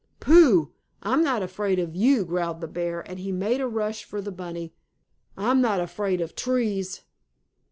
"Pooh! I'm not afraid of you!" growled the bear, and he made a rush for the bunny. "I'm not afraid of trees."